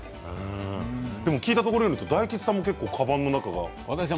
でも聞いたところによると大吉さんもかばんの中がきれいに。